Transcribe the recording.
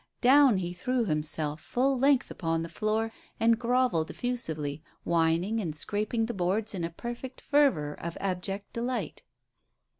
Down he threw himself full length upon the floor and grovelled effusively, whining and scraping the boards in a perfect fervour of abject delight.